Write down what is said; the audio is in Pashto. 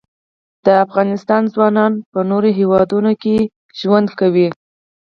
د افغانستان ځوانان په نورو هیوادونو کې ژوند کوي.